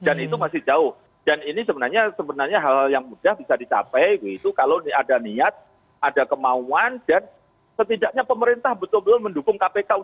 dan itu masih jauh dan ini sebenarnya hal yang mudah bisa dicapai gitu kalau ada niat ada kemauan dan setidaknya pemerintah betul betul mendukung kpk untuk menguatasi pemerintahan